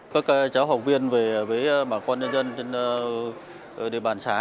các cháu học viên về với bà con nhân dân trên địa bàn xã